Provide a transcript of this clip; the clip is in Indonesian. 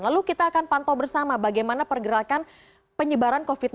lalu kita akan pantau bersama bagaimana pergerakan penyebaran covid sembilan belas